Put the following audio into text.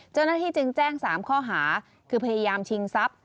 เจ้าหน้าที่จึงแจ้ง๓ข้อหาคือพยายามชิงทรัพย์